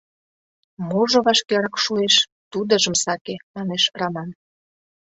— Можо вашкерак шуэш, тудыжым саке! — манеш Раман.